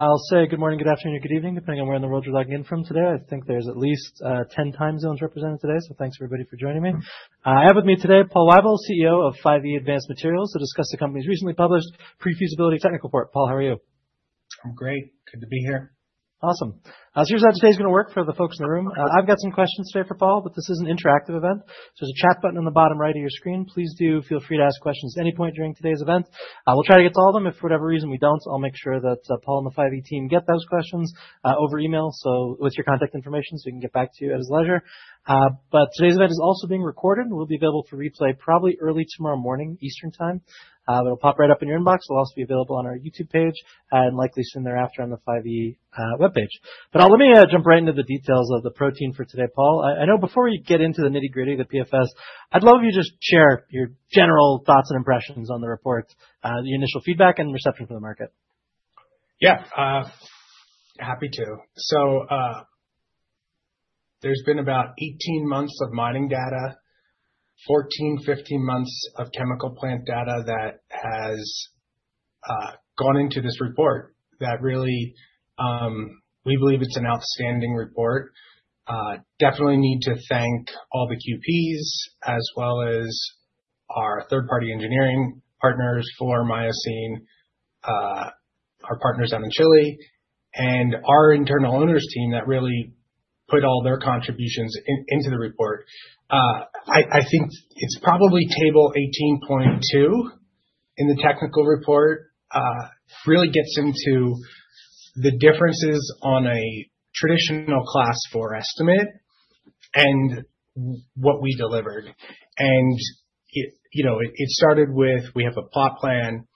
I'll say good morning, good afternoon, or good evening, depending on where in the world you're logging in from today. I think there's at least 10 timezones represented today, so thanks everybody for joining me. I have with me today Paul Weibel, CEO of 5E Advanced Materials, to discuss the company's recently published pre-feasibility technical report. Paul, how are you? I'm great. Good to be here. Awesome. Here's how today's going to work for the folks in the room. I've got some questions today for Paul, but this is an interactive event, so the chat button on the bottom right of your screen, please do feel free to ask questions at any point during today's event. We'll try to get to all of them. If for whatever reason we don't, I'll make sure that Paul and the 5E team get those questions over email, with your contact information, so we can get back to you at his leisure. Today's event is also being recorded and will be available for replay probably early tomorrow morning, Eastern Time. It'll pop right up in your inbox. It'll also be available on our YouTube page and likely soon thereafter on the 5E web page. Let me jump right into the details of the program for today, Paul. I know before we get into the nitty-gritty of the PFS, I'd love if you just share your general thoughts and impressions on the report, your initial feedback, and reception for the market. Yeah, happy to. There's been about 18 months of mining data, 14 months, 15 months of chemical plant data that has gone into this report that really, we believe it's an outstanding report. Definitely need to thank all the QPs, as well as our third-party engineering partners for myosine, our partners out in Chile, and our internal owners team that really put all their contributions into the report. I think it's probably table 18.2 in the technical report. It really gets into the differences on a traditional class IV estimate and what we delivered. It started with, we have a plot plan.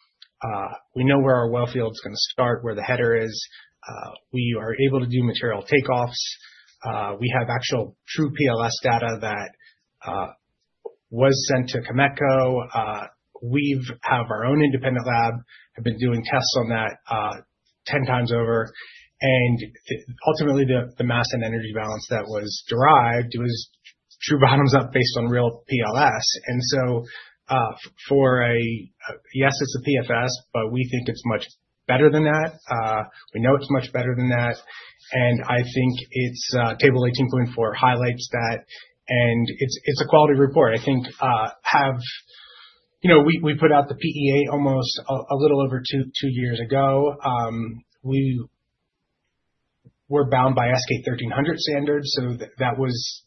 We know where our wellfield is going to start, where the header is. We are able to do material takeoffs. We have actual true PLS data that was sent to Cameco. We have our own independent lab, have been doing tests on that 10x over. Ultimately, the mass and energy balance that was derived was true bottoms up based on real PLS. For a, yes, it's a PFS, but we think it's much better than that. We know it's much better than that. I think table 18.4 highlights that, and it's a quality report. We put out the PEA almost a little over two years ago. We were bound by S-K 1300 standards, so that was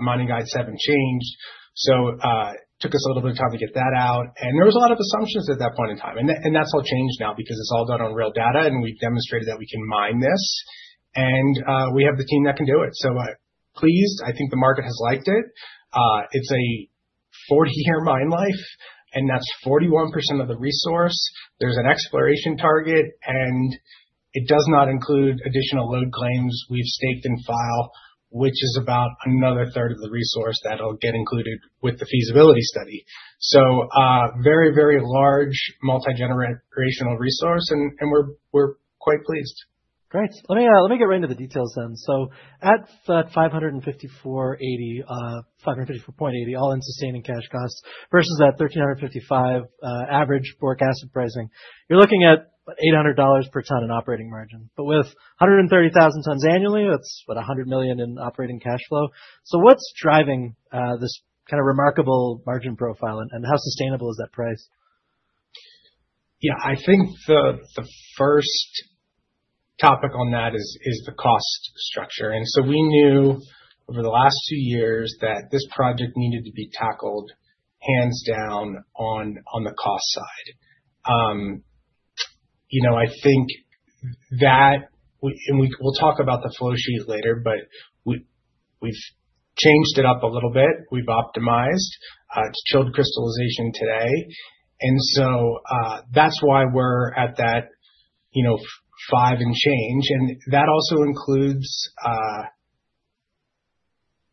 mining guide seven change. It took us a little bit of time to get that out. There was a lot of assumptions at that point in time. That's all changed now because it's all done on real data, and we've demonstrated that we can mine this. We have the team that can do it. Pleased, I think the market has liked it. It's a 40-year mine life, and that's 41% of the resource. There's an exploration target, and it does not include additional load claims we've staked in file, which is about another third of the resource that'll get included with the feasibility study. A very, very large multigenerational resource, and we're quite pleased. Great. Let me get right into the details then. At $554.80 all-in sustaining cash costs versus that $1,355 average boric acid pricing, you're looking at $800 per ton in operating margin. With 130,000 tons annually, that's what, $100 million in operating cash flow. What's driving this kind of remarkable margin profile, and how sustainable is that price? Yeah, I think the first topic on that is the cost structure. We knew over the last two years that this project needed to be tackled hands down on the cost side. I think that, and we'll talk about the flow sheet later, but we've changed it up a little bit. We've optimized. It's chilled crystallization today. That's why we're at that, you know, five in change. That also includes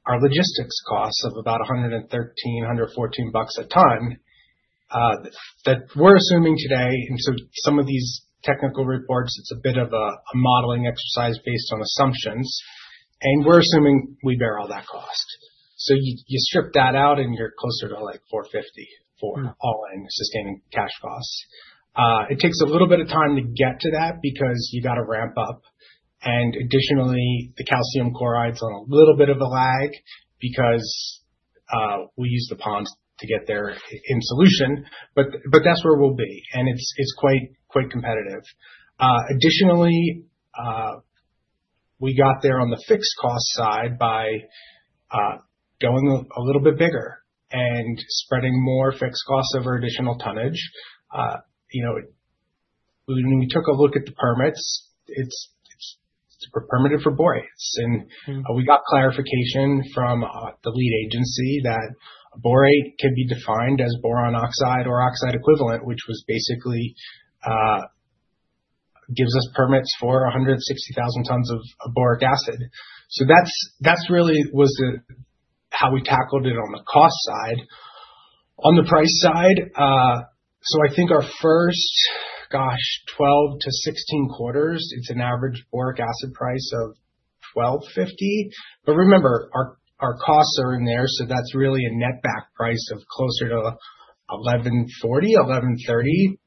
our logistics costs of about $113, $114 a ton that we're assuming today. Some of these technical reports, it's a bit of a modeling exercise based on assumptions. We're assuming we bear all that cost. You strip that out and you're closer to like $450 for all-in sustaining cash costs. It takes a little bit of time to get to that because you've got to ramp up. Additionally, the calcium chloride's on a little bit of a lag because we use the ponds to get there in solution. That's where we'll be, and it's quite competitive. Additionally, we got there on the fixed cost side by going a little bit bigger and spreading more fixed costs over additional tonnage. When we took a look at the permits, it's super permitted for borates. We got clarification from the lead agency that borate can be defined as boron oxide or oxide equivalent, which basically gives us permits for 160,000 tons of boric acid. That really was how we tackled it on the cost side. On the price side, I think our first, gosh, 12 quarters-16 quarters, it's an average boric acid price of $1,250. Remember, our costs are in there, so that's really a net back price of closer to $1,140, $1,130.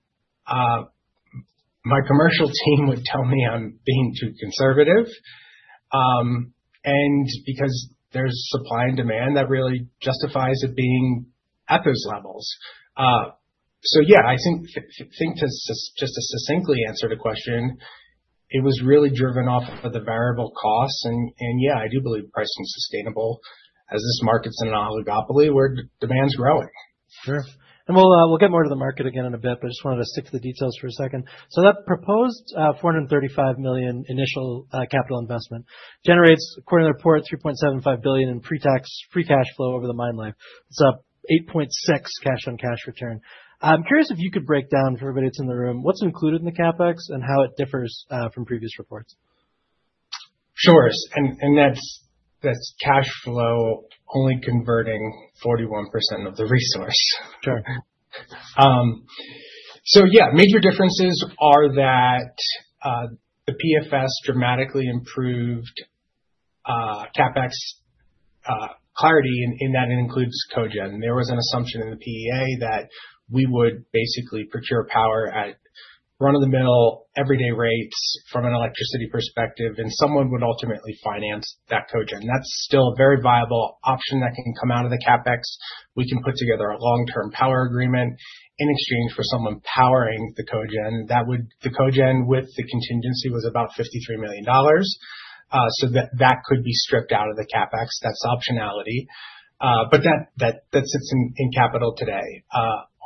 My commercial team would tell me I'm being too conservative because there's supply and demand that really justifies it being at those levels. I think to succinctly answer the question, it was really driven off of the variable costs. I do believe pricing is sustainable as this market's in an oligopoly where demand's growing. Sure. We'll get more to the market again in a bit, but I just wanted to stick to the details for a second. That proposed $435 million initial capital investment generates, according to the report, $3.75 billion in free cash flow over the mine life. It's up 8.6% cash on cash return. I'm curious if you could break down for everybody that's in the room what's included in the CapEx and how it differs from previous reports. Sure, that's cash flow only converting 41% of the resource. Sure. Yeah, major differences are that the PFS dramatically improved CapEx clarity in that it includes cogen. There was an assumption in the PEA that we would basically procure power at run-of-the-mill everyday rates from an electricity perspective, and someone would ultimately finance that cogen. That's still a very viable option that can come out of the CapEx. We can put together a long-term power agreement in exchange for someone powering the cogen. The cogen with the contingency was about $53 million. That could be stripped out of the CapEx. That's optionality. That sits in capital today.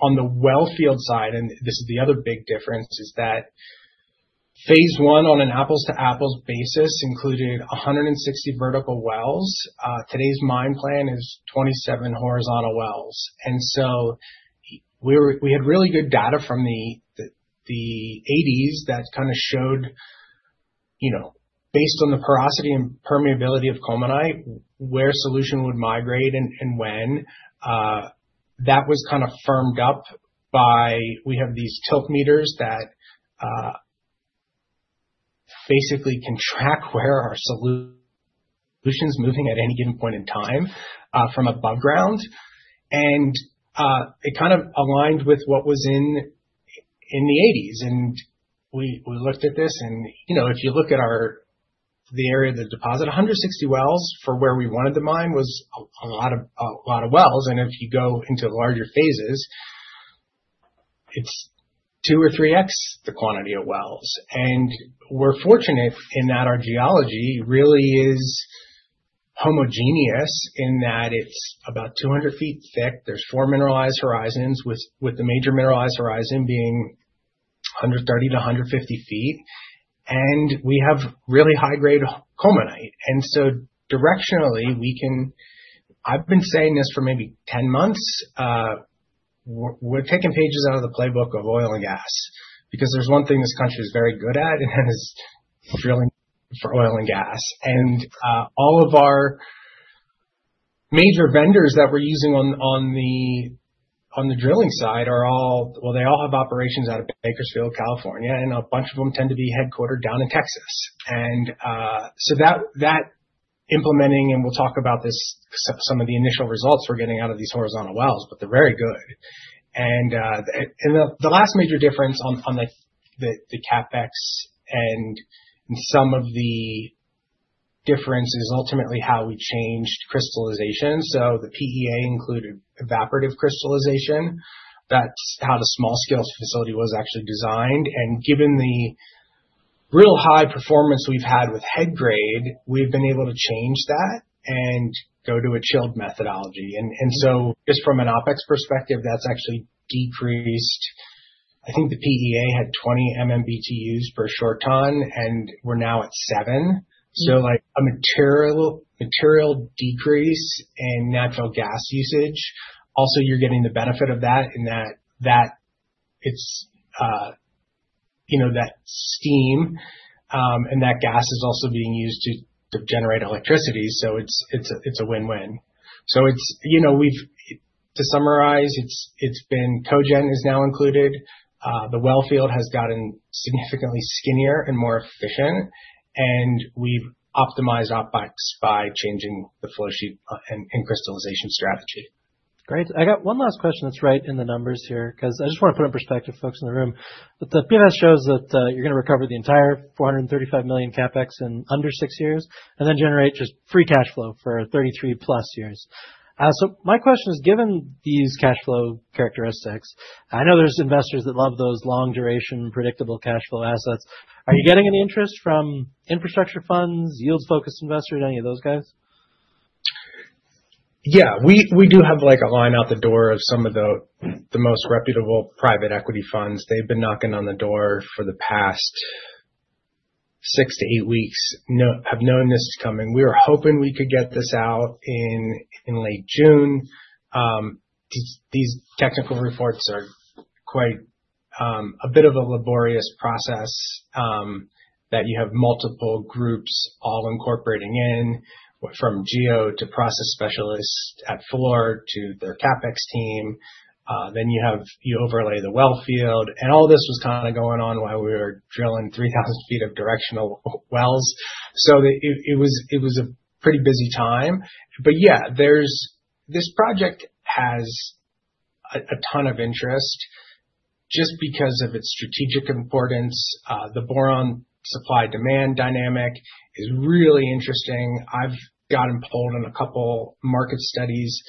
On the wellfield side, the other big difference is that phase one on an apples-to-apples basis included 160 vertical wells. Today's mine plan is 27 horizontal wells. We had really good data from the 1980s that showed, based on the porosity and permeability of colmanite, where solution would migrate and when. That was firmed up by these tilt meters that basically can track where our solution's moving at any given point in time from above ground. It aligned with what was in the 1980s. We looked at this and, if you look at the area of the deposit, 160 wells for where we wanted to mine was a lot of wells. If you go into larger phases, it's 2x or 3x the quantity of wells. We're fortunate in that our geology really is homogeneous in that it's about 200 ft thick. There are four mineralized horizons, with the major mineralized horizon being 130 ft-50 ft. We have really high-grade colmanite. Directionally, I've been saying this for maybe 10 months, we're taking pages out of the playbook of oil and gas because there's one thing this country is very good at, and that is drilling for oil and gas. All of our major vendors that we're using on the drilling side have operations out of Bakersfield, California, and a bunch of them tend to be headquartered down in Texas. Implementing, and we'll talk about this, some of the initial results we're getting out of these horizontal wells, they're very good. The last major difference on the CapEx and some of the difference is ultimately how we changed crystallization. The PEA included evaporative crystallization. That's how the small-scale facility was actually designed. Given the real high performance we've had with head grade, we've been able to change that and go to a chilled methodology. Just from an OpEx perspective, that's actually decreased. I think the PEA had 20 BTUs for a short ton, and we're now at 7 BTUs. A material decrease in natural gas usage. Also, you're getting the benefit of that in that steam and that gas is also being used to generate electricity. It's a win-win. To summarize, cogen is now included. The wellfield has gotten significantly skinnier and more efficient, and we've optimized OpEx by changing the flow sheet and crystallization strategy. Great. I got one last question that's right in the numbers here because I just want to put in perspective folks in the room. The PFS shows that you're going to recover the entire $435 million CapEx in under six years and then generate just free cash flow for 33+ years. My question is, given these cash flow characteristics, I know there's investors that love those long-duration predictable cash flow assets. Are you getting any interest from infrastructure funds, yield-focused investors, any of those guys? Yeah, we do have a line out the door of some of the most reputable private equity funds. They've been knocking on the door for the past six to eight weeks, have known this is coming. We were hoping we could get this out in late June. These technical reports are quite a bit of a laborious process that you have multiple groups all incorporating in from geo to process specialists at Fluor to their CapEx team. You overlay the wellfield, and all this was going on while we were drilling 3,000 feet of directional wells. It was a pretty busy time. This project has a ton of interest just because of its strategic importance. The boron supply-demand dynamic is really interesting. I've gotten pulled on a couple market studies,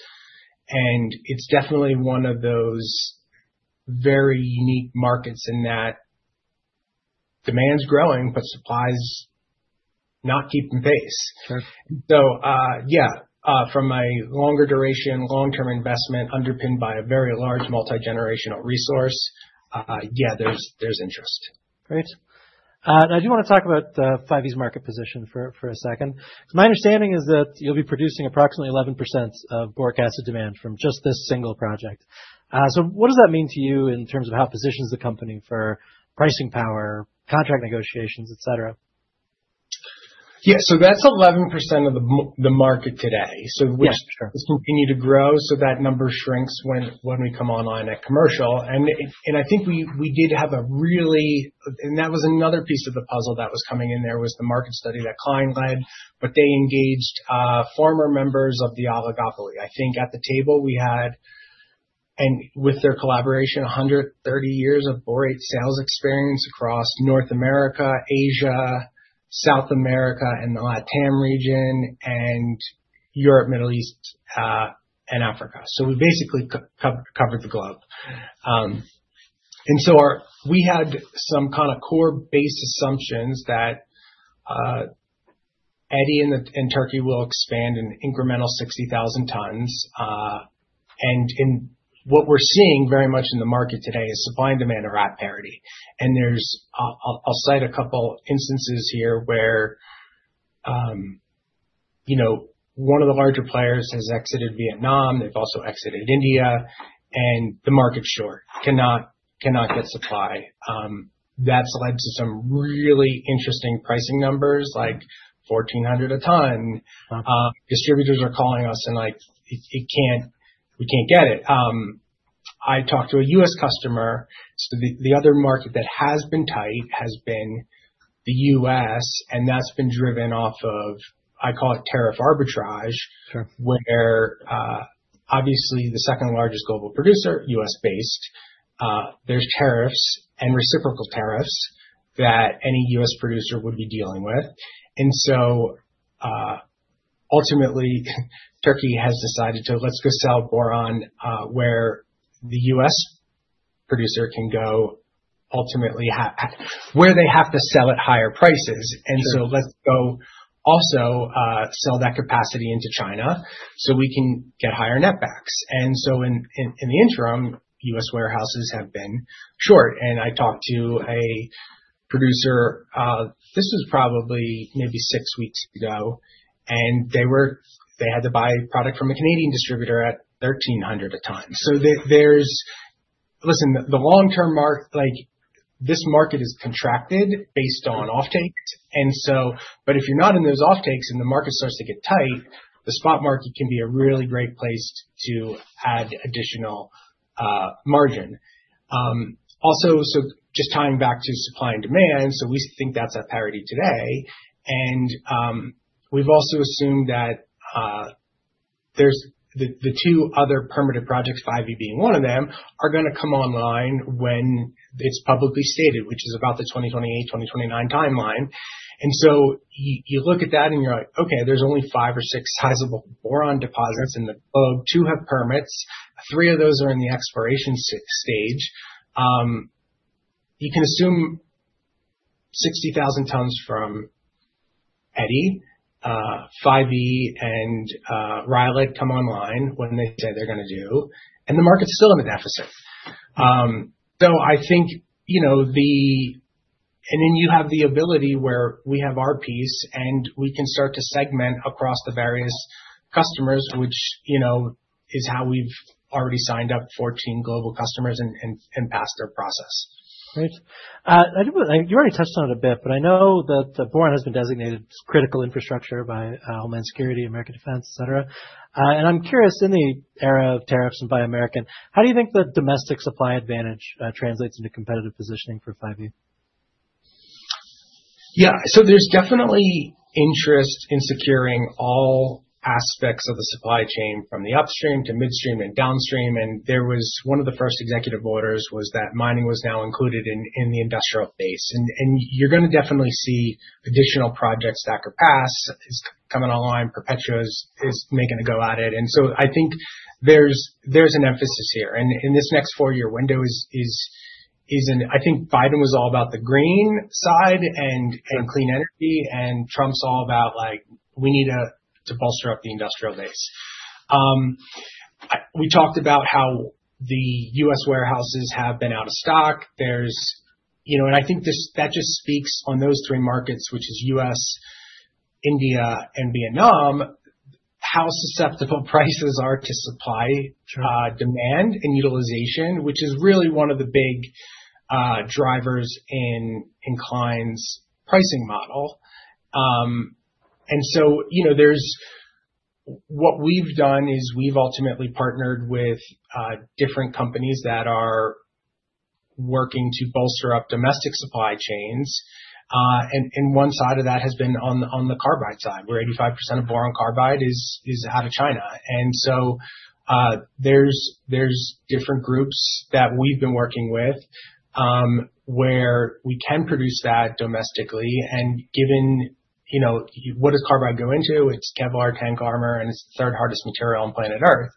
and it's definitely one of those very unique markets in that demand's growing, but supply's not keeping pace. From my longer duration, long-term investment underpinned by a very large multigenerational resource, there's interest. Great. I do want to talk about 5E market position for a second. My understanding is that you'll be producing approximately 11% of boric acid demand from just this single project. What does that mean to you in terms of how it positions the company for pricing power, contract negotiations, et cetera? Yeah, so that's 11% of the market today. We continue to grow, so that number shrinks when we come online at commercial. I think we did have a really, and that was another piece of the puzzle that was coming in there, was the market study that Klein led, but they engaged former members of the oligopoly. I think at the table we had, and with their collaboration, 130 years of borate sales experience across North America, Asia, South America, the LATAM region, Europe, Middle East, and Africa. We basically covered the globe. We had some kind of core base assumptions that Eti in Turkey will expand in incremental 60,000 tons. What we're seeing very much in the market today is supply and demand are at parity. I'll cite a couple instances here where one of the larger players has exited Vietnam. They've also exited India. The market's short, cannot get supply. That's led to some really interesting pricing numbers, like $1,400 a ton. Distributors are calling us and like, we can't get it. I talked to a U.S. customer. The other market that has been tight has been the U.S., and that's been driven off of, I call it tariff arbitrage, where obviously the second largest global producer, U.S.-based, there's tariffs and reciprocal tariffs that any U.S. producer would be dealing with. Ultimately, Turkey has decided to let's just sell boron where the U.S. producer can go ultimately where they have to sell at higher prices. Let's go also sell that capacity into China so we can get higher net backs. In the interim, U.S. warehouses have been short. I talked to a producer, this was probably maybe six weeks ago, and they had to buy product from a Canadian distributor at $1,300 a ton. The long-term market, like this market is contracted based on offtake. If you're not in those offtakes and the market starts to get tight, the spot market can be a really great place to add additional margin. Also, just tying back to supply and demand, we think that's at parity today. We've also assumed that there's the two other permitted projects, 5E being one of them, are going to come online when it's publicly stated, which is about the 2028, 2029 timeline. You look at that and you're like, okay, there's only five or six sizable boron deposits in the globe. Two have permits. Three of those are in the exploration stage. You can assume 60,000 tons from Eti, 5E and Riley come online when they say they're going to do, and the market's still in the deficit. I think, you know, you have the ability where we have our piece and we can start to segment across the various customers, which is how we've already signed up 14 global customers and passed their process. Great. You already touched on it a bit, but I know that boron has been designated critical infrastructure by Homeland Security, American Defense, etc. I'm curious, in the era of tariffs and Buy American, how do you think the domestic supply advantage translates into competitive positioning for 5E? Yeah, so there's definitely interest in securing all aspects of the supply chain from the upstream to midstream and downstream. There was one of the first executive orders that mining was now included in the industrial base. You're going to definitely see additional projects that could pass. It's coming online. Perpetua is making a go at it. I think there's an emphasis here. In this next four-year window, I think Biden was all about the green side and clean energy, and Trump's all about like, we need to bolster up the industrial base. We talked about how the U.S. warehouses have been out of stock. There's, you know, and I think that just speaks on those three markets, which is U.S., India, and Vietnam, how susceptible prices are to supply, demand, and utilization, which is really one of the big drivers in Klein's pricing model. What we've done is we've ultimately partnered with different companies that are working to bolster up domestic supply chains. One side of that has been on the carbide side, where 85% of boron carbide is out of China. There's different groups that we've been working with where we can produce that domestically. Given, you know, what does carbide go into? It's deadly tank armor and it's the third hardest material on planet Earth.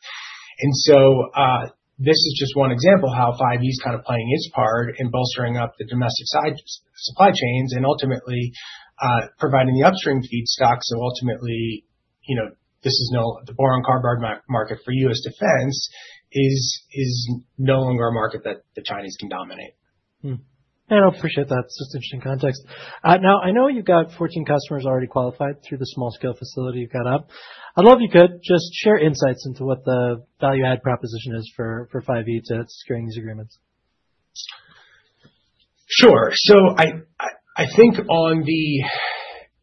This is just one example of how 5E is kind of playing its part in bolstering up the domestic side supply chains and ultimately providing the upstream feedstock. Ultimately, this is the boron carbide market for U.S. defense is no longer a market that the Chinese can dominate. I appreciate that. It's just interesting context. I know you've got 14 customers already qualified through the small-scale facility you've got up. I'd love if you could just share insights into what the value-add proposition is for 5E to securing these agreements. Sure. I think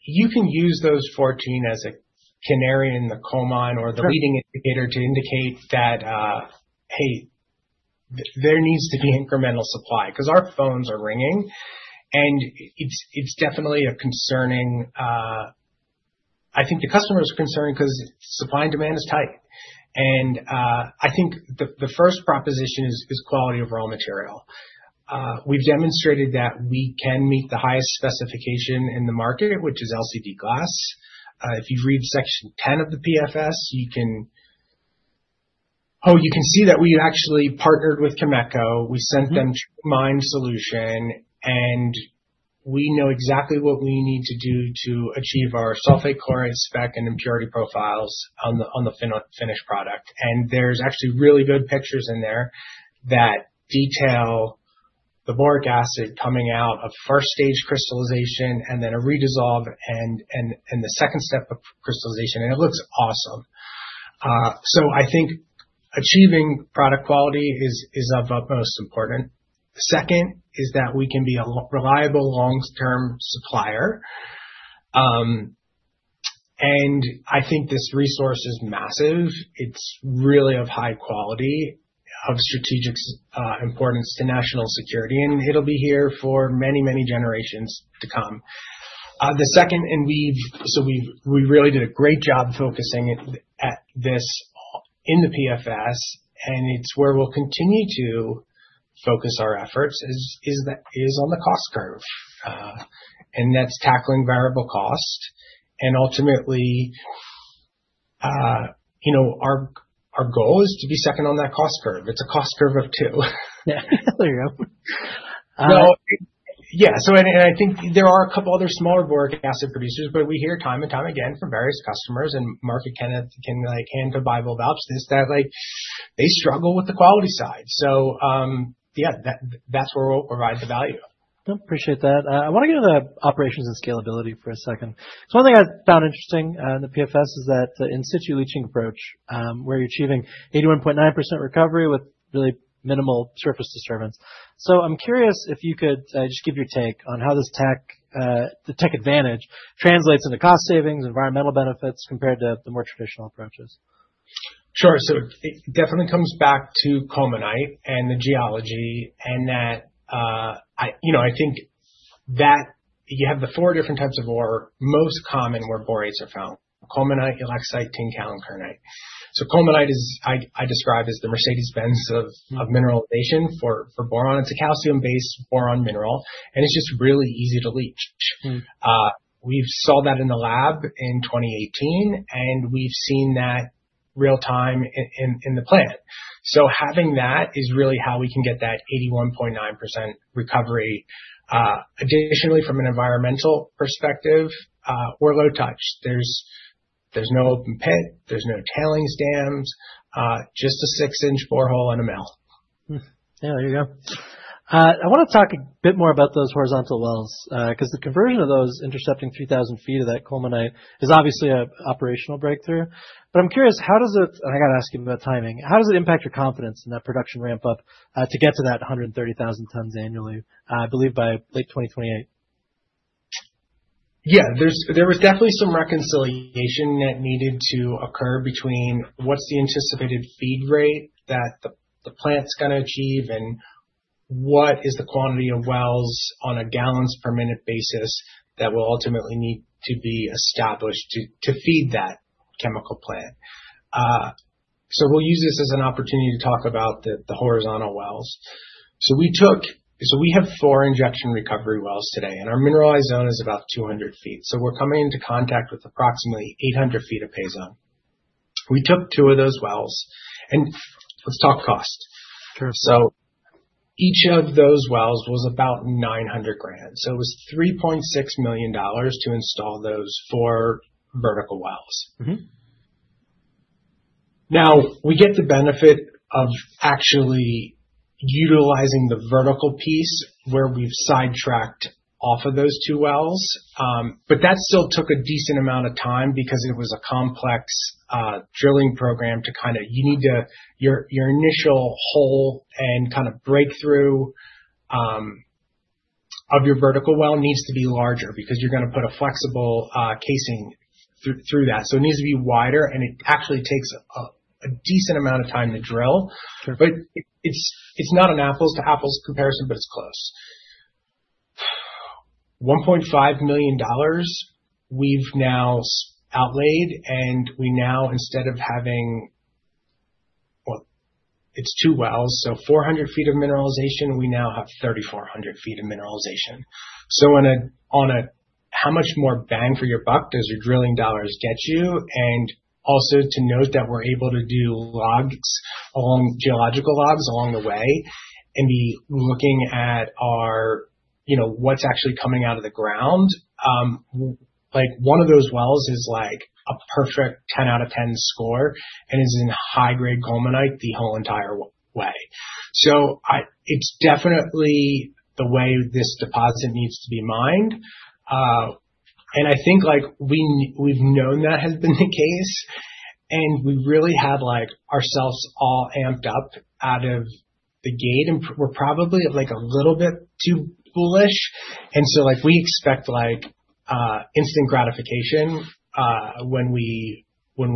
you can use those 14 as a canary in the coal mine or the leading indicator to indicate that, hey, there needs to be incremental supply because our phones are ringing. It's definitely concerning, I think the customer is concerned because supply and demand is tight. I think the first proposition is quality of raw material. We've demonstrated that we can meet the highest specification in the market, which is LCD glass. If you read section 10 of the PFS, you can see that we actually partnered with Cameco. We sent them mine solution, and we know exactly what we need to do to achieve our sulfate chloride spec and impurity profiles on the finished product. There are actually really good pictures in there that detail the boric acid coming out of first-stage crystallization and then a redissolve and the second step of crystallization. It looks awesome. I think achieving product quality is of utmost importance. Second is that we can be a reliable long-term supplier. I think this resource is massive. It's really of high quality, of strategic importance to national security, and it'll be here for many, many generations to come. We've really done a great job focusing on this in the PFS, and it's where we'll continue to focus our efforts, on the cost curve. That's tackling variable cost. Ultimately, our goal is to be second on that cost curve. It's a cost curve of two. Yeah, there you go. Yeah, I think there are a couple other smaller boric acid producers, but we hear time and time again from various customers and market candidates that they struggle with the quality side. That's where we'll provide the value. Appreciate that. I want to get into the operations and scalability for a second. One thing I found interesting in the PFS is that the in-situ leaching approach, where you're achieving 81.9% recovery with really minimal surface disturbance. I'm curious if you could just give your take on how this tech, the tech advantage, translates into cost savings and environmental benefits compared to the more traditional approaches. Sure, it definitely comes back to colmanite and the geology. I think that you have the four different types of ore most common where borates are found: colmanite, ulexite, tincal, and kernite. Colmanite is, I describe as the Mercedes-Benz of mineralization for boron. It's a calcium-based boron mineral, and it's just really easy to leach. We saw that in the lab in 2018, and we've seen that real-time in the plant. Having that is really how we can get that 81.9% recovery. Additionally, from an environmental perspective, we're low touch. There's no open pit, there's no tailings dams, just a 6 in borehole and a mill. Yeah, there you go. I want to talk a bit more about those horizontal wells, because the conversion of those intercepting 3,000 ft of that colmanite is obviously an operational breakthrough. I'm curious, how does it, and I got to ask you about timing, how does it impact your confidence in that production ramp up to get to that 130,000 tons annually, I believe, by late 2028? Yeah, there was definitely some reconciliation that needed to occur between what's the anticipated feed rate that the plant's going to achieve and what is the quantity of wells on a gallons per minute basis that will ultimately need to be established to feed that chemical plant. We'll use this as an opportunity to talk about the horizontal wells. We have four injection recovery wells today, and our mineralized zone is about 200 ft. We're coming into contact with approximately 800 ft of pay zone. We took two of those wells, and let's talk cost. Each of those wells was about $900,000. It was $3.6 million to install those four vertical wells. We get the benefit of actually utilizing the vertical piece where we've sidetracked off of those two wells. That still took a decent amount of time because it was a complex drilling program. Your initial hole and breakthrough of your vertical well needs to be larger because you're going to put a flexible casing through that. It needs to be wider, and it actually takes a decent amount of time to drill. It's not an apples-to-apples comparison, but it's close. $1.5 million we've now outlaid, and we now, instead of having, well, it's two wells, so 400 ft of mineralization, we now have 3,400 ft of mineralization. On a how much more bang for your buck does your drilling dollars get you? Also to note that we're able to do logs along, geological logs along the way and be looking at our, you know, what's actually coming out of the ground. One of those wells is like a perfect 10 out of 10 score and is in a high-grade colmanite the whole entire way. It's definitely the way this deposit needs to be mined. I think we've known that has been the case, and we really have like ourselves all amped up out of the gate, and we're probably like a little bit too bullish. We expect instant gratification when we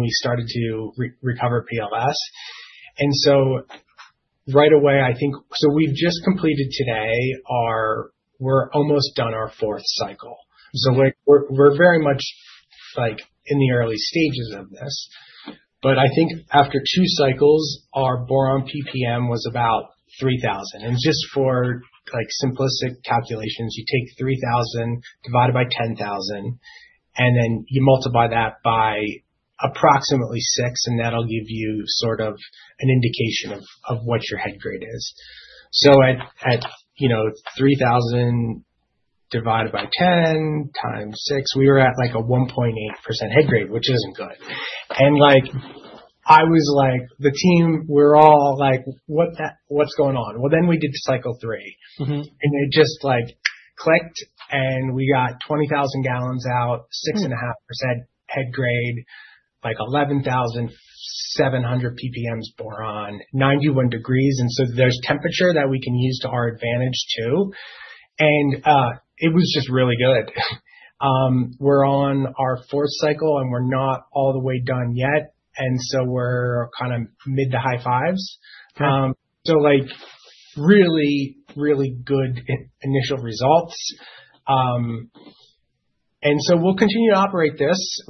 started to recover PLS. Right away, I think, we've just completed today our, we're almost done our fourth cycle. We're very much in the early stages of this. I think after two cycles, our boron PPM was about 3,000. Just for simplistic calculations, you take 3,000 divided by 10,000, and then you multiply that by approximately six, and that'll give you sort of an indication of what your head grade is. At 3,000 divided by 10x six, we were at a 1.8% head grade, which isn't good. I was like, the team, we're all like, what's going on? We did cycle three, and it just clicked, and we got 20,000 gal out, 6.5% head grade, 11,700 PPMs boron, 91 degrees. There is temperature that we can use to our advantage too. It was just really good. We're on our fourth cycle, and we're not all the way done yet. We're kind of mid to high 5%s, so really, really good initial results. We'll continue to operate this.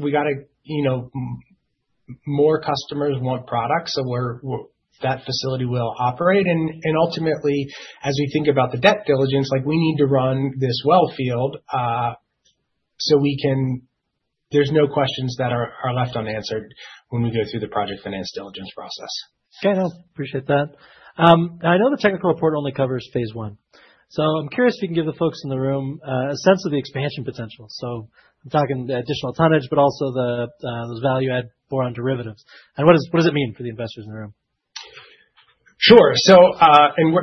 More customers want products, so that facility will operate. Ultimately, as we think about the debt diligence, we need to run this wellfield so there are no questions left unanswered when we go through the project finance diligence process. Yeah, I know. Appreciate that. I know the technical report only covers phase 1. I'm curious if you can give the folks in the room a sense of the expansion potential. I'm talking the additional tonnage, but also the value-add boron derivative. What does it mean for the investors in the room? Sure.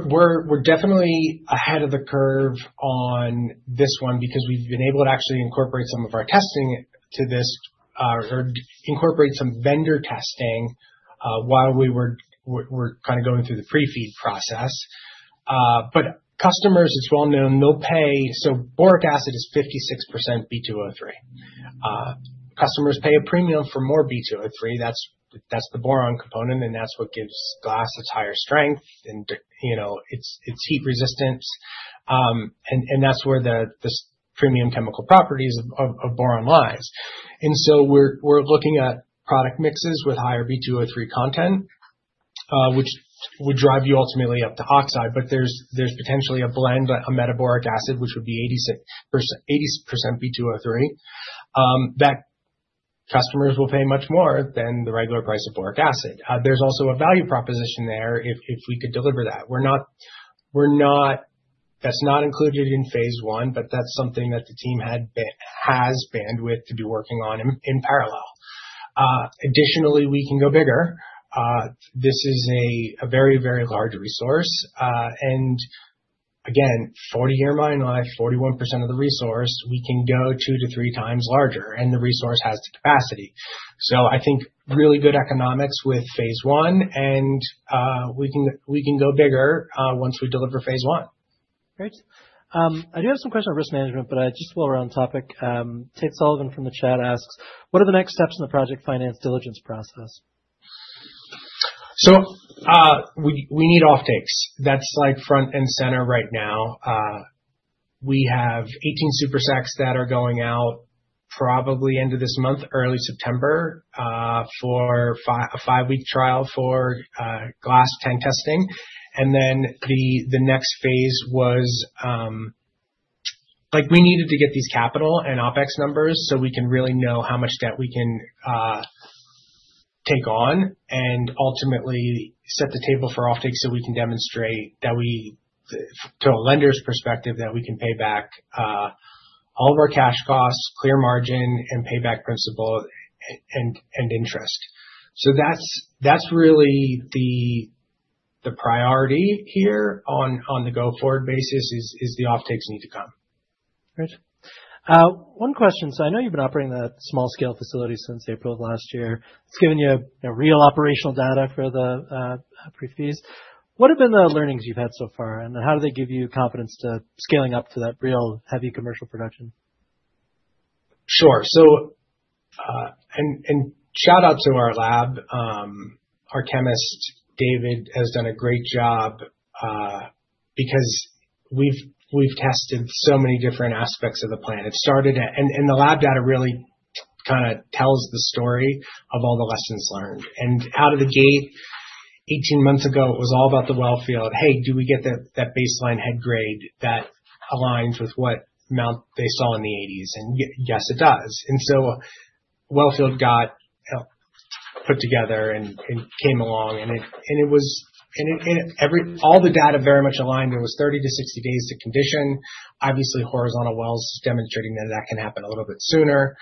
We're definitely ahead of the curve on this one because we've been able to actually incorporate some of our testing to this, or incorporate some vendor testing while we were kind of going through the pre-feed process. Customers, it's well known, they'll pay, so boric acid is 56% B2O3. Customers pay a premium for more B2O3. That's the boron component, and that's what gives glass its higher strength, and you know, its heat resistance. That's where the premium chemical properties of boron lie. We're looking at product mixes with higher B2O3 content, which would drive you ultimately up to oxide. There's potentially a blend, a metaboric acid, which would be 80% B2O3, that customers will pay much more than the regular price of boric acid. There's also a value proposition there if we could deliver that. That's not included in phase 1, but that's something that the team has bandwidth to be working on in parallel. Additionally, we can go bigger. This is a very, very large resource. Again, 40-year mine life, 41% of the resource, we can go 2x-3x larger, and the resource has the capacity. I think really good economics with phase 1 and we can go bigger once we deliver phase 1. Great. I do have some questions on risk management, but I just fall around the topic. Tate Sullivan from the chat asks, what are the next steps in the project finance diligence process? We need offtakes. That's like front and center right now. We have 18 supersacks that are going out probably end of this month, early September, for a five-week trial for glass tank testing. The next phase was like we needed to get these capital and OpEx numbers so we can really know how much debt we can take on and ultimately set the table for offtakes so we can demonstrate that we, to a lender's perspective, can pay back all of our cash costs, clear margin, and pay back principal and interest. That's really the priority here on the go forward basis, the offtakes need to come. Great. One question. I know you've been operating that small-scale facility since April of last year. It's given you real operational data for the pre-fees. What have been the learnings you've had so far, and how do they give you confidence to scaling up to that real heavy commercial production? Sure. Shout out to our lab. Our chemist, David, has done a great job because we've tested so many different aspects of the plant. It started at, and the lab data really kind of tells the story of all the lessons learned. Out of the gate, 18 months ago, it was all about the wellfield. Hey, do we get that baseline head grade that aligns with what they saw in the 1980s? Yes, it does. The wellfield got put together and came along, and all the data very much aligned. It was 30 to 60 days to condition. Obviously, horizontal wells demonstrating that can happen a little bit sooner.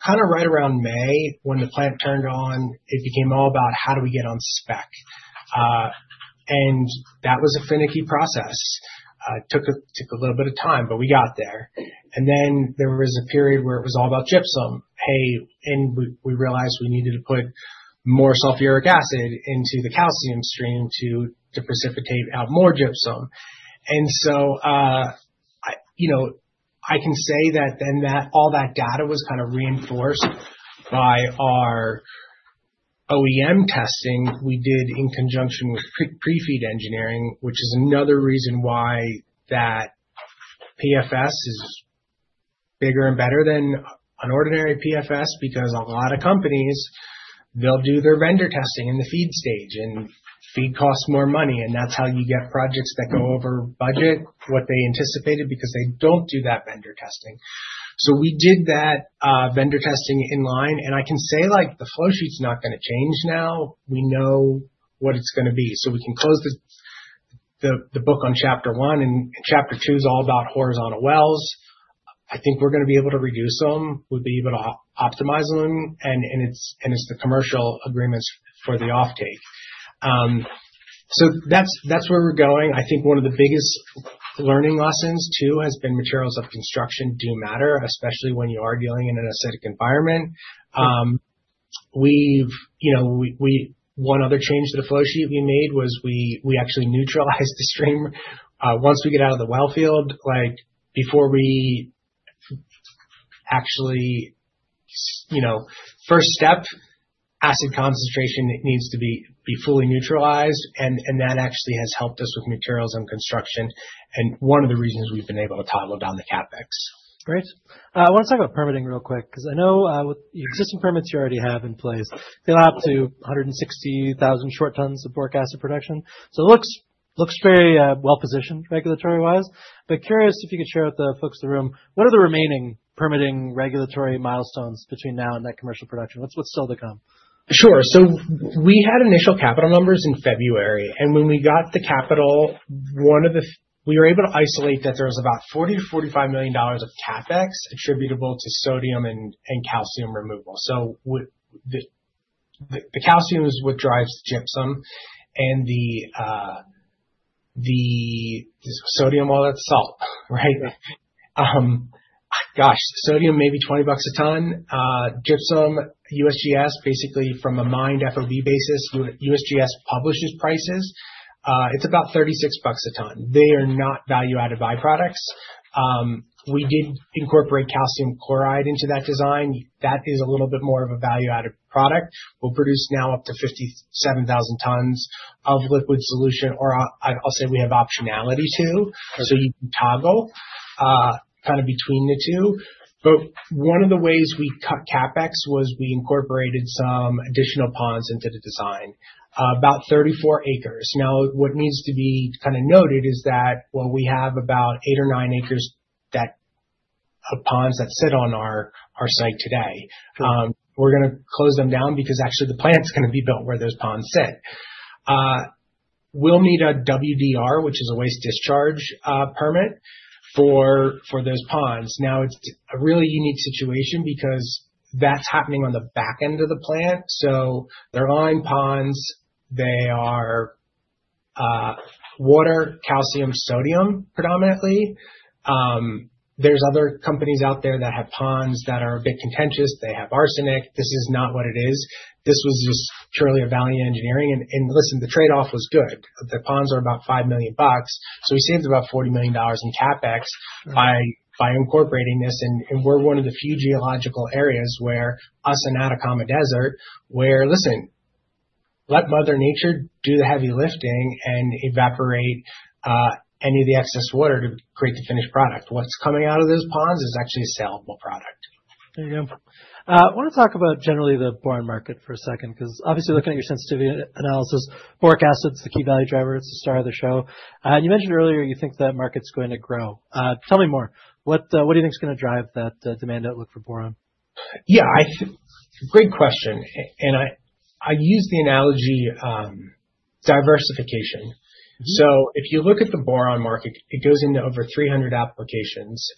Right around May, when the plant turned on, it became all about how do we get on spec. That was a finicky process. It took a little bit of time, but we got there. There was a period where it was all about gypsum. We realized we needed to put more sulfuric acid into the calcium stream to precipitate out more gypsum. I can say that all that data was kind of reinforced by our OEM testing we did in conjunction with pre-feed engineering, which is another reason why that PFS is bigger and better than an ordinary PFS because a lot of companies do their vendor testing in the feed stage, and feed costs more money. That is how you get projects that go over budget, what they anticipated, because they do not do that vendor testing. We did that vendor testing in line, and I can say the flow sheet's not going to change now. We know what it's going to be. We can close the book on chapter one, and chapter two is all about horizontal wells. I think we're going to be able to reduce them. We'll be able to optimize them, and it's the commercial agreements for the offtake. That's where we're going. I think one of the biggest learning lessons too has been materials of construction do matter, especially when you are dealing in an acidic environment. One other change to the flow sheet we made was we actually neutralized the stream. Once we get out of the wellfield, before we actually, first step, acid concentration needs to be fully neutralized, and that actually has helped us with materials and construction. One of the reasons we've been able to toggle down the CapEx. Great. I want to talk about permitting real quick because I know with the existing permits you already have in place, they'll have up to 160,000 short tons of boric acid production. It looks very well positioned regulatory-wise. Curious if you could share with the folks in the room, what are the remaining permitting regulatory milestones between now and that commercial production? What's still to come? Sure. We had initial capital numbers in February, and when we got the capital, we were able to isolate that there was about $40 million-$45 million of CapEx attributable to sodium and calcium removal. The calcium is what drives the gypsum, and the sodium, all that's salt, right? Sodium may be $20 a ton. Gypsum, USGS, basically from a mined FOB basis, USGS publishes prices. It's about $36 a ton. They are not value-added byproducts. We did incorporate calcium chloride into that design. That is a little bit more of a value-added product. We'll produce now up to 57,000 tons of liquid solution, or I'll say we have optionality too. You can toggle kind of between the two. One of the ways we cut CAPEX was we incorporated some additional ponds into the design, about 34 ac. What needs to be kind of noted is that we have about 8 ac or 9 ac of ponds that sit on our site today. We're going to close them down because actually the plant's going to be built where those ponds sit. We'll need a WDR, which is a waste discharge permit for those ponds. It's a really unique situation because that's happening on the back end of the plant. They're on ponds. They are water, calcium, sodium predominantly. There are other companies out there that have ponds that are a bit contentious. They have arsenic. This is not what it is. This was just purely a value engineering. The trade-off was good. The ponds were about $5 million. We saved about $40 million in CapEx by incorporating this. We're one of the few geological areas, us and Atacama Desert, where we let mother nature do the heavy lifting and evaporate any of the excess water to create the finished product. What's coming out of those ponds is actually a sellable product. There you go. I want to talk about generally the boron market for a second because obviously looking at your sensitivity analysis, boric acid is the key value driver. It's the star of the show. You mentioned earlier you think that market's going to grow. Tell me more. What do you think is going to drive that demand outlook for boron? Yeah, I think it's a great question. I use the analogy of diversification. If you look at the boron market, it goes into over 300 applications.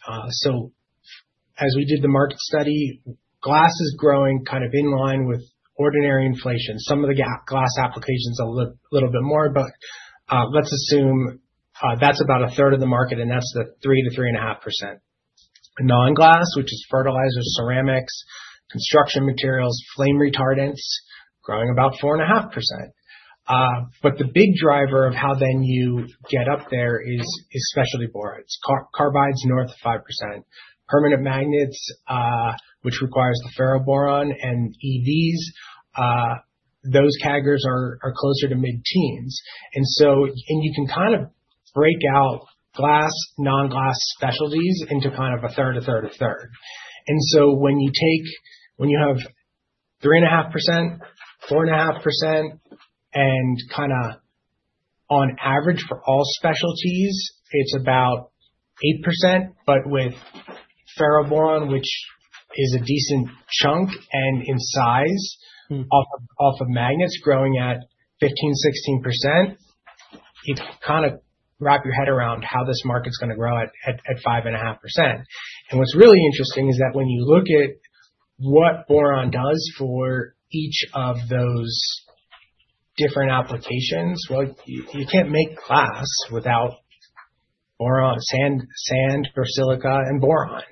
As we did the market study, glass is growing kind of in line with ordinary inflation. Some of the glass applications are a little bit more, but let's assume that's about a third of the market, and that's the 3%-3.5%. Non-glass, which is fertilizer, ceramics, construction materials, flame retardants, is growing about 4.5%. The big driver of how you get up there is specialty borons. Carbides are north of 5%. Permanent magnets, which require the ferroboron and EVs, those taggers are closer to mid-teens. You can kind of break out glass, non-glass, specialties into kind of a third, a third, a third. When you have 3.5%, 4.5%, and kind of on average for all specialties, it's about 8%, but with ferroboron, which is a decent chunk and in size off of magnets growing at 15%, 16%, you kind of wrap your head around how this market's going to grow at 5.5%. What's really interesting is that when you look at what boron does for each of those different applications, you can't make glass without boron, sand, or silica and boron.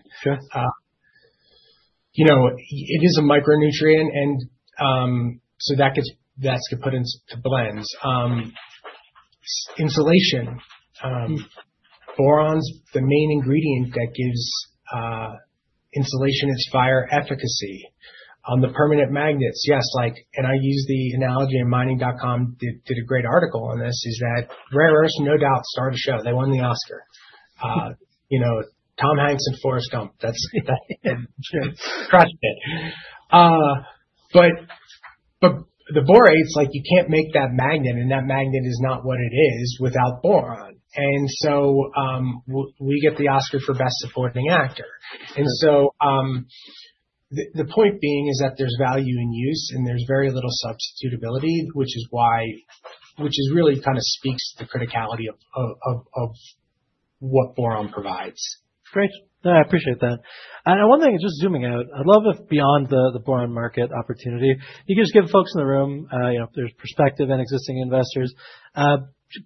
It is a micronutrient, and so that gets best to put into blends. Insulation, boron's the main ingredient that gives insulation its fire efficacy. On the permanent magnets, yes, like, and I use the analogy, and mining.com did a great article on this, Rare Earths, no doubt, star of the show. They won the Oscar. Tom Hanks and Forrest Gump, that's it. Trust it. The borates, like you can't make that magnet, and that magnet is not what it is without boron. We get the Oscar for best supporting actor. The point being is that there's value in use, and there's very little substitutability, which really kind of speaks to the criticality of what boron provides. Great. I appreciate that. One thing, just zooming out, I'd love if beyond the boron market opportunity, you could just give folks in the room, you know, their perspective and existing investors, a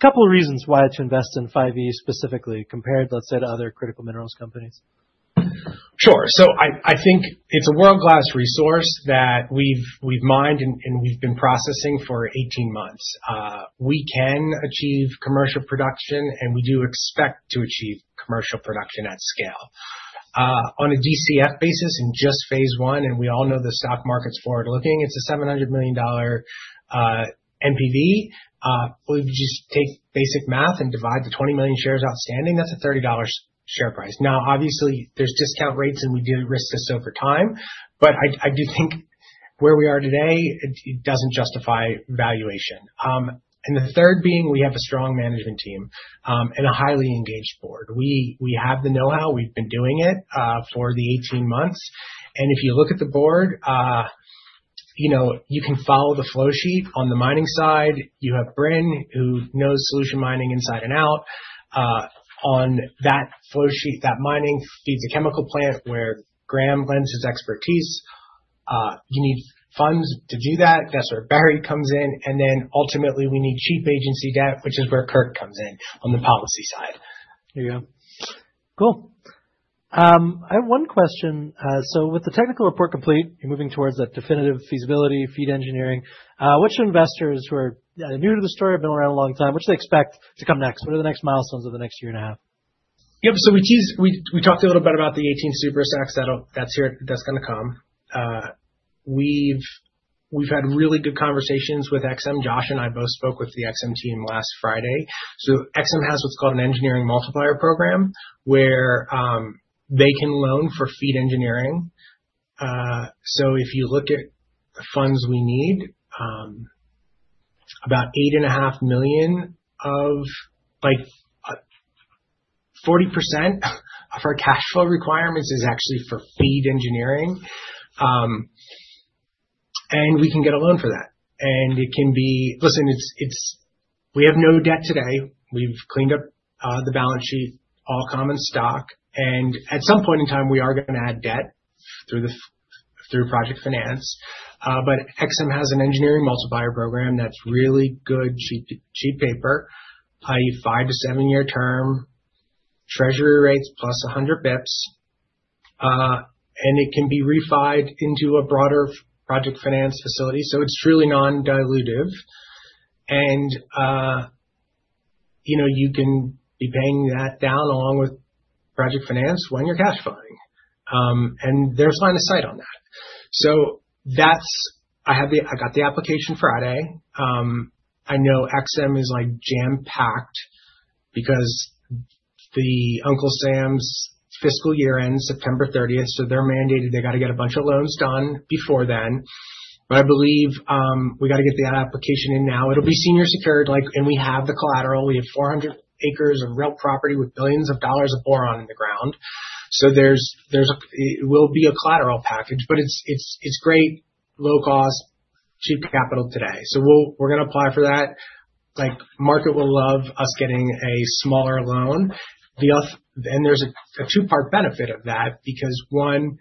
couple of reasons why to invest in 5E specifically compared, let's say, to other critical minerals companies. Sure. I think it's a world-class resource that we've mined and we've been processing for 18 months. We can achieve commercial production, and we do expect to achieve commercial production at scale. On a DCF basis and just phase one, and we all know the stock market's forward-looking, it's a $700 million MPV. If you just take basic math and divide the 20 million shares outstanding, that's a $30 share price. Obviously, there's discount rates, and we do risk this over time, but I do think where we are today, it doesn't justify valuation. The third being we have a strong management team and a highly engaged board. We have the know-how. We've been doing it for the 18 months. If you look at the board, you can follow the flow sheet on the mining side. You have Bryn, who knows solution mining inside and out. On that flow sheet, that mining feeds a chemical plant where Graham lends his expertise. You need funds to do that. That's where Barry comes in. Ultimately, we need cheap agency debt, which is where Kirk comes in on the policy side. There you go. Cool. I have one question. With the technical report complete, you're moving towards that definitive feasibility feed engineering. What should investors who are new to the story, or have been around a long time, what should they expect to come next? What are the next milestones of the next year and a half? Yep. We talked a little bit about the 18 super stacks that's going to come. We've had really good conversations with the XM Josh and I both spoke with the XM team last Friday. The U.S. Export-Import Bank has what's called an engineering multiplier program where they can loan for feed engineering. If you look at the funds we need, about $8.5 million, or like 40% of our cash flow requirements, is actually for feed engineering. We can get a loan for that. We have no debt today. We've cleaned up the balance sheet, all common stock. At some point in time, we are going to add debt through project finance. XM has an engineering multiplier program that's really good, cheap paper, putting five to seven-year term treasury rates plus 100 basis points. It can be refined into a broader project finance facility. It's truly non-dilutive. You can be paying that down along with project finance when you're cash flowing. There's line of sight on that. I got the application Friday. I know the XM is jam-packed because Uncle Sam's fiscal year ends September 30th, so they're mandated. They have to get a bunch of loans done before then. I believe we have to get the application in now. It'll be senior secured, and we have the collateral. We have 400 ac of rental property with billions of dollars of boron in the ground. There will be a collateral package, but it's great, low-cost, cheap capital today. We're going to apply for that. The market will love us getting a smaller loan. There's a two-part benefit of that because, one,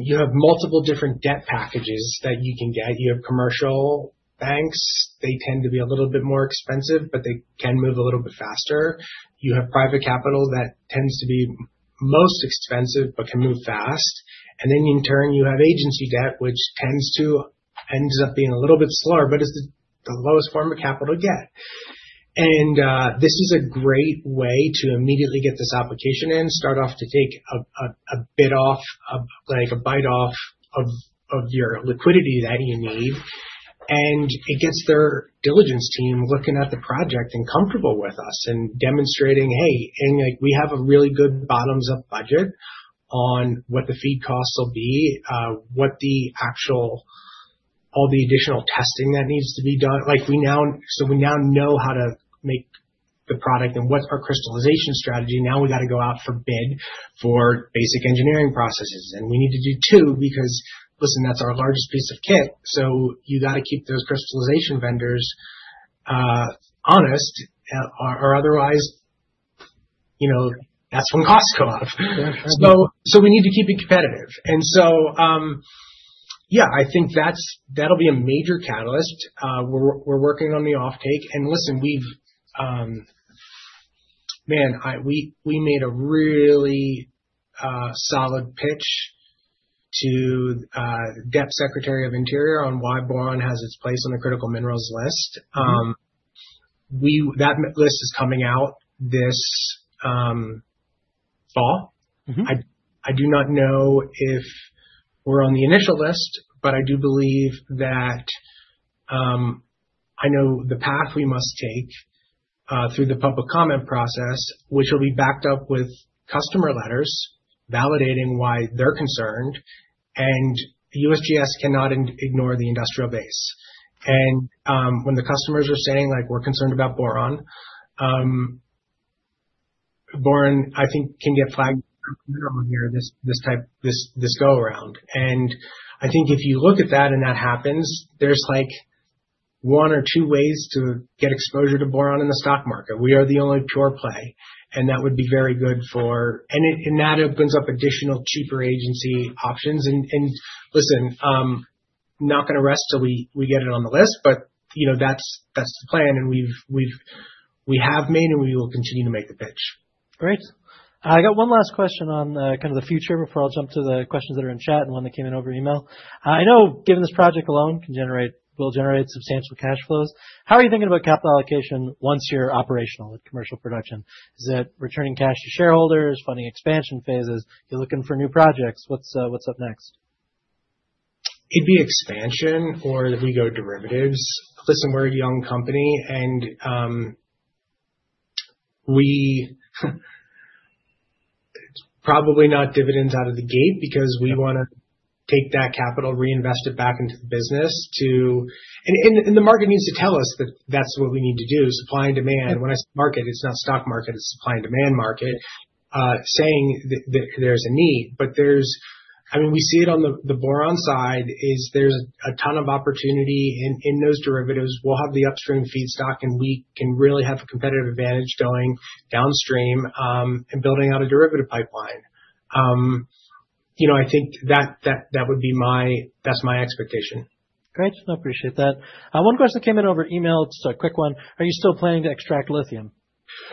you have multiple different debt packages that you can get. You have commercial banks. They tend to be a little bit more expensive, but they can move a little bit faster. You have private capital that tends to be most expensive but can move fast. In turn, you have agency debt, which tends to end up being a little bit slower, but it's the lowest form of capital to get. This is a great way to immediately get this application in, start off to take a bit off, like a bite off of your liquidity that you need. It gets their diligence team looking at the project and comfortable with us and demonstrating, hey, we have a really good bottoms-up budget on what the feed costs will be, what the actual, all the additional testing that needs to be done. We now know how to make the product and what's our crystallization strategy. Now we got to go out for bid for basic engineering processes. We need to do two because, listen, that's our largest piece of kit. You got to keep the crystallization vendors honest, otherwise, you know, that's when costs go up. We need to keep it competitive. I think that'll be a major catalyst. We're working on the offtake. We made a really solid pitch to the Deputy Secretary of Interior on why boron has its place on the critical minerals list. That list is coming out this fall. I do not know if we're on the initial list, but I do believe that I know the path we must take through the public comment process, which will be backed up with customer letters validating why they're concerned. USGS cannot ignore the industrial base. When the customers are saying they're concerned about boron, boron, I think, can get flagged on here this type, this go around. I think if you look at that and that happens, there's like one or two ways to get exposure to boron in the stock market. We are the only pure play. That would be very good for, and that opens up additional cheaper agency options. I'm not going to rest till we get it on the list, but you know, that's the plan. We have made and we will continue to make the pitch. Great. I got one last question on kind of the future before I'll jump to the questions that are in chat and one that came in over email. I know given this project alone can generate, will generate substantial cash flows. How are you thinking about capital allocation once you're operational with commercial production? Is it returning cash to shareholders, funding expansion phases? You're looking for new projects. What's up next? It'd be expansion for the Vigo derivatives. Listen, we're a young company and we're probably not dividends out of the gate because we want to take that capital, reinvest it back into the business, and the market needs to tell us that that's what we need to do. Supply and demand, when I say market, it's not stock market, it's supply and demand market, saying that there's a need. We see it on the boron side, there's a ton of opportunity in those derivatives. We'll have the upstream feedstock and we can really have a competitive advantage going downstream and building out a derivative pipeline. I think that would be my, that's my expectation. Great. I appreciate that. One question that came in over email. It's a quick one. Are you still planning to extract lithium?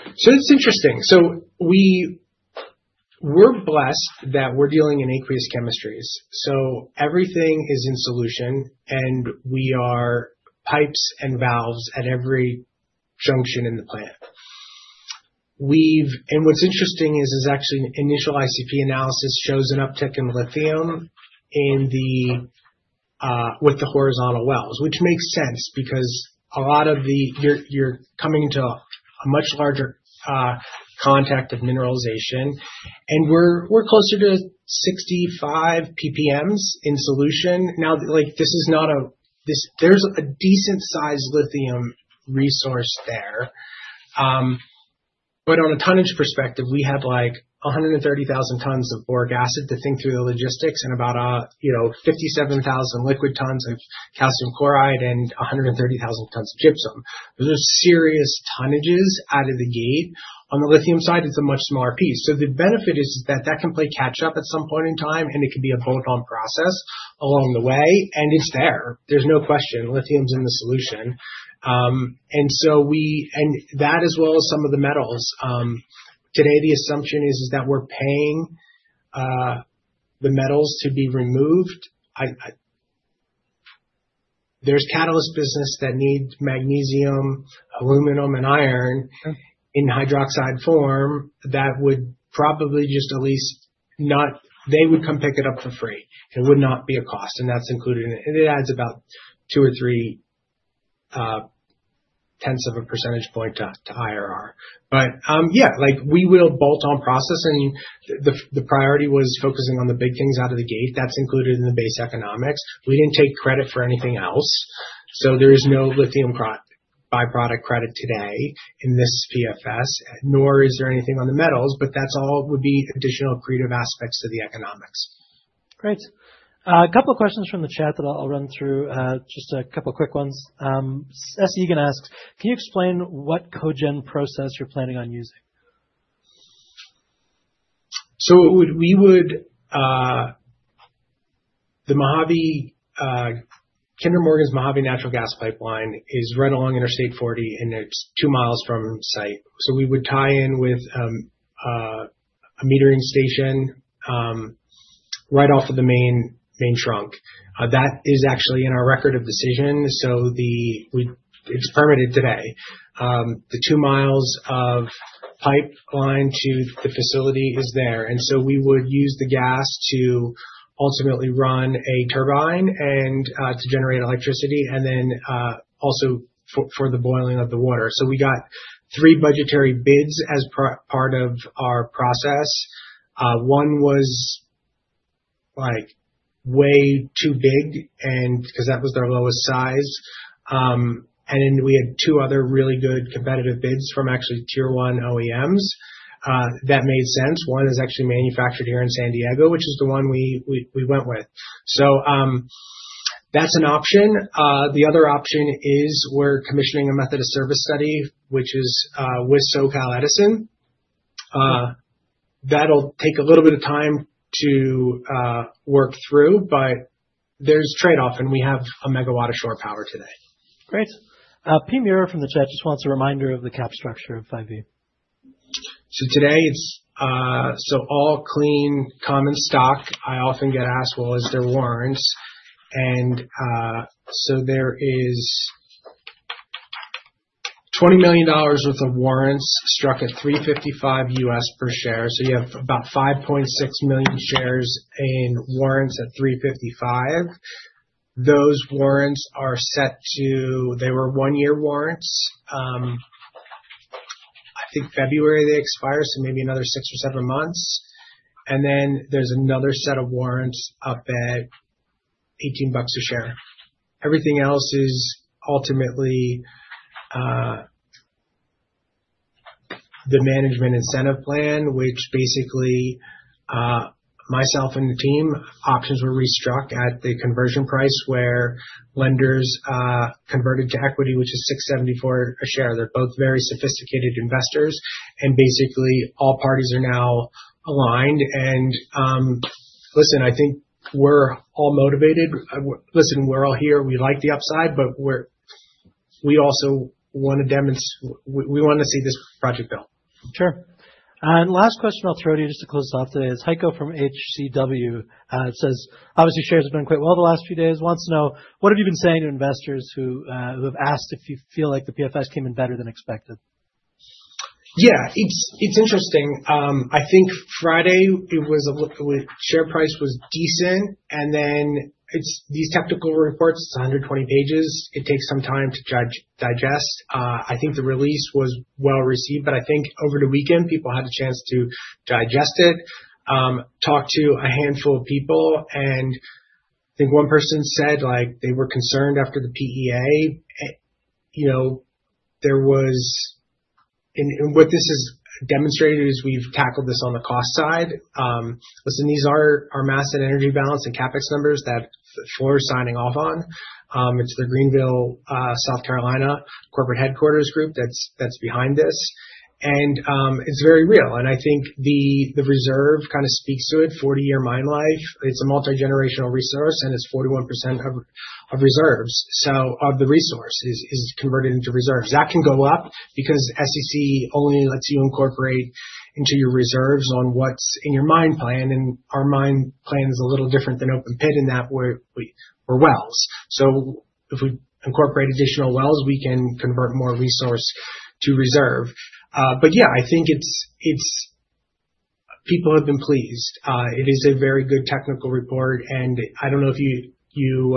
It's interesting. We're blessed that we're dealing in aqueous chemistries, so everything is in solution and we are pipes and valves at every junction in the plant. What's interesting is initial ICP analysis shows an uptake in lithium with the horizontal wells, which makes sense because you're coming into a much larger contact of mineralization. We're closer to 65 PPM in solution now. This is not a, there's a decent sized lithium resource there, but on a tonnage perspective, we have 130,000 tons of boric acid to think through the logistics and about 57,000 liquid tons of calcium chloride and 130,000 tons of gypsum. Those are serious tonnages out of the gate. On the lithium side, it's a much smaller piece. The benefit is that can play catch-up at some point in time and it could be a bolt-on process along the way and it's there. There's no question. Lithium's in the solution, and that as well as some of the metals. Today, the assumption is that we're paying the metals to be removed. There's catalyst business that needs magnesium, aluminum, and iron in hydroxide form that would probably just at least not, they would come pick it up for free. It would not be a cost and that's included, and it adds about two or three tenths of a pecentage point to IRR. We will bolt-on process and the priority was focusing on the big things out of the gate. That's included in the base economics. We didn't take credit for anything else. There is no lithium byproduct credit today in this PFS, nor is there anything on the metals, but that's all would be additional creative aspects to the economics. Great. A couple of questions from the chat that I'll run through, just a couple of quick ones. S. Egan asked, can you explain what cogen facility process you're planning on using? The Mojave, Kinder Morgan's Mojave natural gas pipeline is right along Interstate 40 and it's 2 mi from site. We would tie in with a metering station right off of the main trunk. That is actually in our record of decision, so it's permitted today. The two miles of pipeline to the facility is there. We would use the gas to ultimately run a turbine and to generate electricity and then also for the boiling of the water. We got three budgetary bids as part of our process. One was way too big because that was our lowest size. We had two other really good competitive bids from actually tier one OEMs that made sense. One is actually manufactured here in San Diego, which is the one we went with. That's an option. The other option is we're commissioning a method of service study, which is with SoCal Edison. That'll take a little bit of time to work through, but there's trade-off and we have a megawatt of shore power today. Great. P. Muir from the chat, he just wants a reminder of the cap structure of 5E. Today it's all clean common stock. I often get asked, is there warrants? There is $20 million worth of warrants struck at $3.55 per share. You have about 5.6 million shares in warrants at $3.55. Those warrants are set to, they were one-year warrants. I think February they expire, so maybe another six or seven months. There's another set of warrants up at $18 a share. Everything else is ultimately the management incentive plan, which basically myself and the team, options were restruck at the conversion price where lenders converted to equity, which is $6.74 a share. They're both very sophisticated investors. Basically, all parties are now aligned. Listen, I think we're all motivated. Listen, we're all here. We like the upside, but we also want to demonstrate, we want to see this project built. Sure. The last question I'll throw at you just to close this off today is Heiko from HCW. It says, obviously, shares have been quite well the last few days. Wants to know, what have you been saying to investors who have asked if you feel like the PFS came in better than expected? Yeah, it's interesting. I think Friday the share price was decent. Then these technical reports, it's 120 pages. It takes some time to digest. I think the release was well received. Over the weekend, people had a chance to digest it, talk to a handful of people. I think one person said they were concerned after the PEA. There was, and what this has demonstrated is we've tackled this on the cost side. Listen, these are our mass and energy balance and CapEx numbers that Schorer is signing off on. It's the Greenville, South Carolina corporate headquarters group that's behind this, and it's very real. I think the reserve kind of speaks to it. 40-year mine life, it's a multi-generational resource, and it's 41% of reserves. So of the resource is converted into reserves. That can go up because the SEC only lets you incorporate into your reserves what's in your mine plan. Our mine plan is a little different than open pit in that we're wells. If we incorporate additional wells, we can convert more resource to reserve. I think people have been pleased. It is a very good technical report. I don't know if you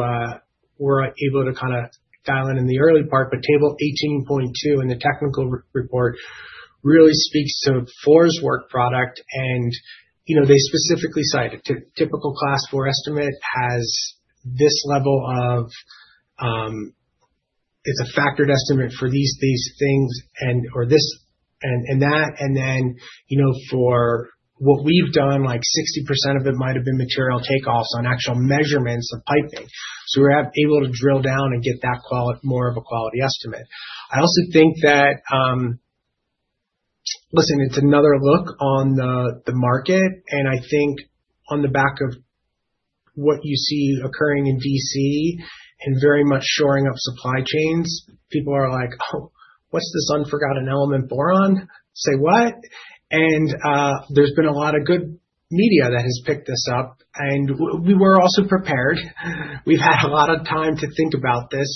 were able to kind of dial in in the early part, but table 18.2 in the technical report really speaks to Forbes' work product. They specifically cite a typical class four estimate has this level of, it's a factored estimate for these things and or this and that. For what we've done, like 60% of it might have been material takeoffs on actual measurements of piping. We're able to drill down and get that more of a quality estimate. I also think that it's another look on the market. I think on the back of what you see occurring in D.C. and very much shoring of supply chains, people are like, oh, what's this unforgotten element boron? Say what? There's been a lot of good media that has picked this up. We were also prepared. We've had a lot of time to think about this.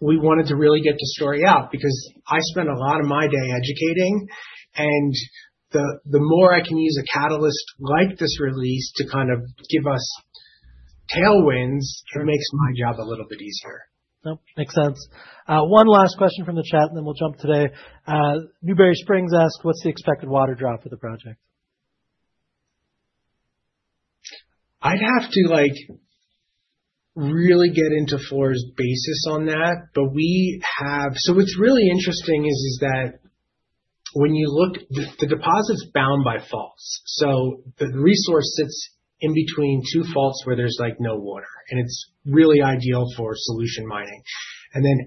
We wanted to really get the story out because I spent a lot of my day educating. The more I can use a catalyst like this release to kind of give us tailwinds, it makes my job a little bit easier. Nope, makes sense. One last question from the chat, and then we'll jump today. Newberry Springs asked, what's the expected water draw for the project? I'd have to really get into Forbes' basis on that. What's really interesting is that when you look, the deposit's bound by faults. The resource sits in between two faults where there's no water, and it's really ideal for solution mining.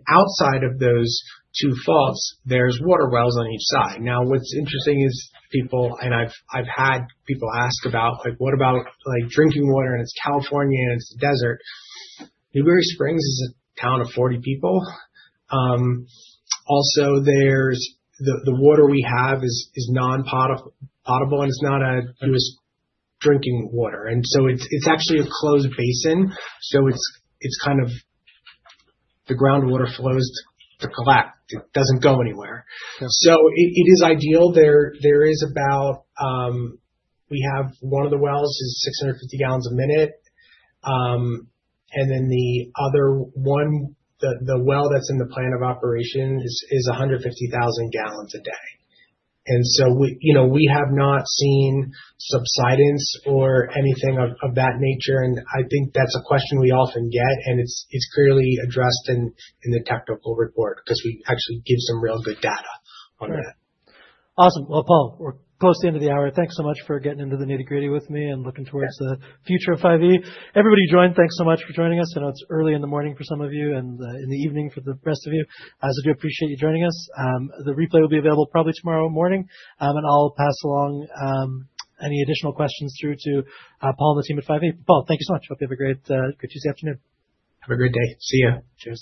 Outside of those two faults, there are water wells on each side. What's interesting is people, and I've had people ask about, what about drinking water and it's California and it's the desert? Newberry Springs is a town of 40 people. Also, the water we have is non-potable and it's not a drinking water. It's actually a closed basin, so the groundwater flows collapse. It doesn't go anywhere. It is ideal. We have one of the wells that is 650 gal a minute, and the other one, the well that's in the plan of operation, is 150,000 gal a day. We have not seen subsidence or anything of that nature. I think that's a question we often get, and it's clearly addressed in the technical report because we actually give some real good data on it. Awesome. Paul, we're close to the end of the hour. Thanks so much for getting into the nitty-gritty with me and looking towards the future of 5E. Everybody joined, thanks so much for joining us. I know it's early in the morning for some of you and in the evening for the rest of you. I do appreciate you joining us. The replay will be available probably tomorrow morning. I'll pass along any additional questions through to Paul and the team at 5E. Paul, thank you so much. Hope you have a great Tuesday afternoon. Have a great day. See you. Cheers.